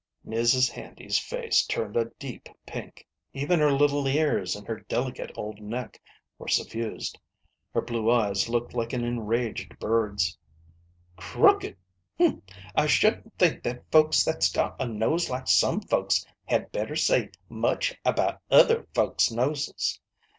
Mrs. Handy's face turned a deep pink ŌĆö even her little ears and her delicate old neck were suffused ; her blue eyes looked like an enraged bird's. " Crooked ! FTm ! I shouldn't think that folks that's got a nose like some folks had better say much about other folks' noses.